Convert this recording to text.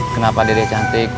kenapa dede cantik